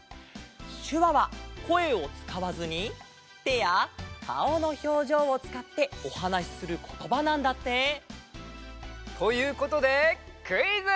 しゅわはこえをつかわずにてやかおのひょうじょうをつかっておはなしすることばなんだって。ということでクイズ！